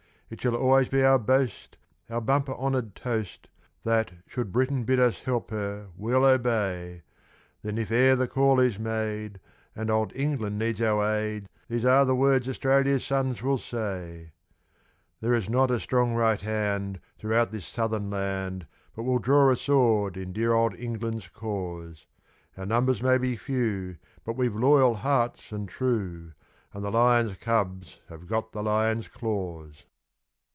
It shall always be our boast, Our bumper honoured toast, That, should Britain bid us help her, we'll obey; Then, if e'er the call is made, And Old England needs our aid, These are the words Australia's sons will say There is not a strong right hand, Throughout this Southern land, But will draw a sword in dear old England's cause; Our numbers may be few, But we've loyal hearts and true, And the Lion's cubs have got the Lion's claws.